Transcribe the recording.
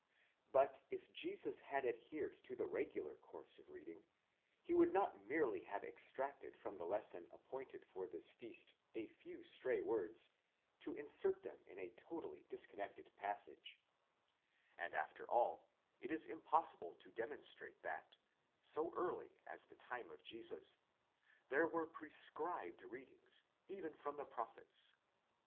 ® But if Jesus had adhered to the regular course of reading, he would not merely have extracted from the lesson ap pointed for this feast a few stray words, to insert them ina totally discon nected passage ; and after all, it is impossible to demonstrate that, so early as the time of Jesus, there were prescribed readings, even from the prophets.